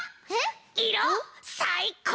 いろさいこう！